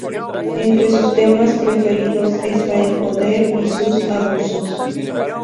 Entre sus temas preferidos está el poder y sus abusos.